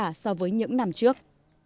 và giá cả so với những năm trước